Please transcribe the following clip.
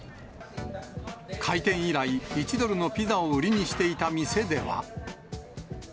開店以来、１ドルのピザを売りにしていた店では。